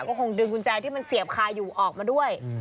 ก็คงดึงกุญแจที่มันเสียบคาอยู่ออกมาด้วย